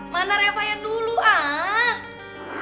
mana reva yang dulu ah